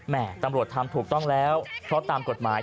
ตำรวจทำถูกต้องแล้วเพราะตามกฎหมาย